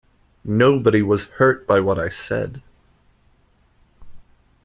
Nobody was hurt by what I said.